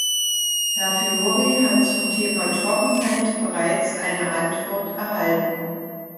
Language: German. Herr Fiori hat zum Thema Trockenheit bereits eine Antwort erhalten.